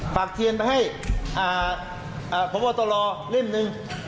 ฝากเทียนไปให้ผมว่าตัวรอลิ่มหนึ่ง